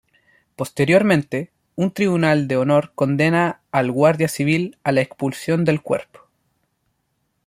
Posteriormente, un tribunal de honor condena al guardia civil a la expulsión del cuerpo.